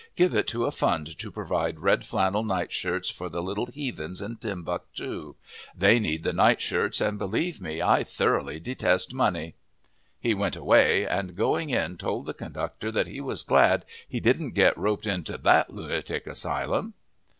Give it to a fund to provide red flannel nightshirts for the little heathens in Timbuctoo. They need the night shirts, and, believe me, I thoroughly detest money!" He went away, and going in told the conductor that he was glad he didn't get roped into that lunatic asylum.